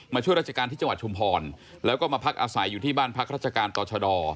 ช่วยราชการที่จังหวัดชุมพรแล้วก็มาพักอาศัยอยู่ที่บ้านพักราชการต่อชะดอ